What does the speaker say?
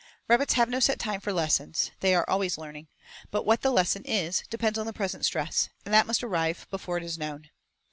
Rabbits have no set time for lessons, they are always learning; but what the lesson is depends on the present stress, and that must arrive before it is known.